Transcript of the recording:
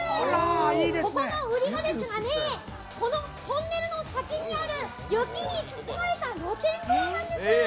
ここの売りがですね、このトンネルの先にある、雪に包まれた露天風呂なんです。